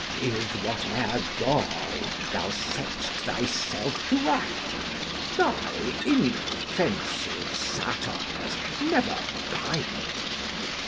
With whate'er gall thou sett'st thyself to write, Thy inoffensive satires never bite.